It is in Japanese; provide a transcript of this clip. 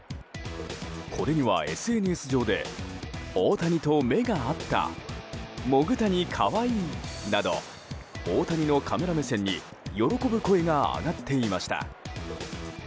これにはＳＮＳ上で大谷と目が合ったもぐ谷、可愛いなど大谷のカメラ目線に喜ぶ声が上がっていました。